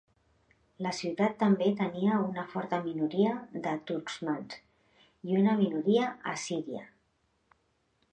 La ciutat també tenia una forta minoria de turcmans, i una minoria assíria.